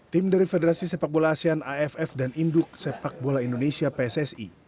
tim dari federasi sepak bola asean aff dan induk sepak bola indonesia pssi